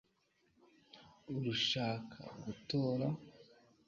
urashaka gutora